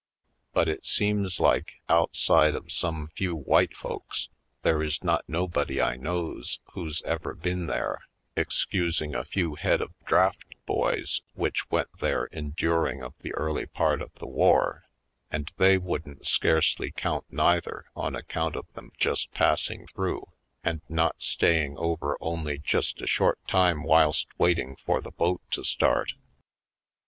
But it seems like, outside of some few white folks, there is not nobody I knows who's ever been there, excusing a few head of draft boys which went there enduring of the early part of the war; and they wouldn't scarcely count neither on account of them just passing through and not staying over only just a short time whilst waiting for the boat to start.